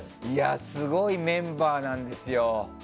すごいメンバーなんですよ。